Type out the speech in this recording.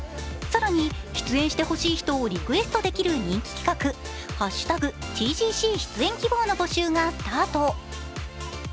更に、出演してほしい人をリクエストできる人気企画「＃ＴＧＣ出演希望」の募集がスタート。